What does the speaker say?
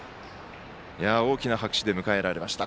大きな拍手で迎えられました。